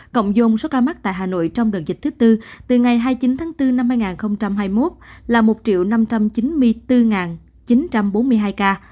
cộng dông số ca mắc tại hà nội trong đợt dịch thứ tư từ ngày hai mươi chín tháng bốn năm hai nghìn hai mươi một là một năm trăm chín mươi bốn chín trăm bốn mươi hai ca